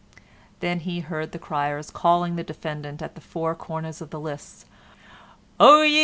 Then he heard the criers calling the defendant at the four corners of the list: "Oyez!